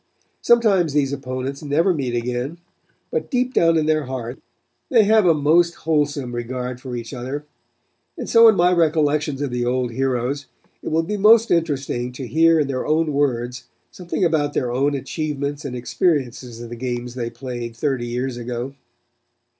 Sometimes these opponents never meet again, but down deep in their hearts they have a most wholesome regard for each other, and so in my recollections of the old heroes, it will be most interesting to hear in their own words, something about their own achievements and experiences in the games they played thirty years ago.